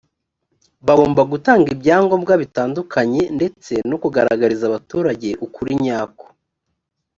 bagomba gutanga ibyangombwa bitandukanye ndetse no kugaragariza abaturage ukurinyako.